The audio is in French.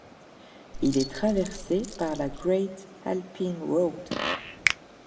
Il est traversé par la Great Alpine Road.